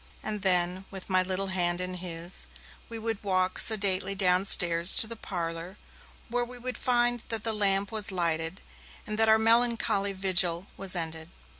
And then, with my little hand in his, we would walk sedately downstairs to the parlour, where we would find that the lamp was lighted, and that our melancholy vigil was ended.